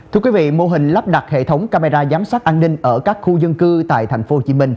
thưa quý vị mô hình lắp đặt hệ thống camera giám sát an ninh ở các khu dân cư tại tp hcm